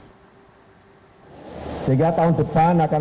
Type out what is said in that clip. jokowi menegaskan rencana dana kelurahan tidak ada kaitannya dengan pilpres